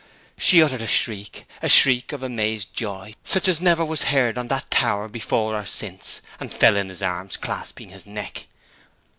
She uttered a shriek a shriek of amazed joy such as never was heard on that tower before or since and fell in his arms, clasping his neck.